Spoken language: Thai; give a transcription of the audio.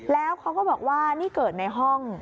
แล้วเขาก็บอกว่านี่เกิดในห้อง